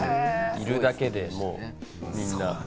いるだけでもう、みんな。